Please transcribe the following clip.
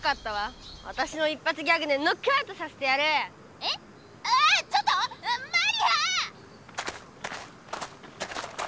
えちょっと⁉マリア！